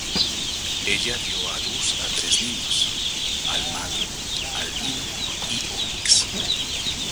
Ella dio a luz a tres niños: Almagro, Albino y Onyx.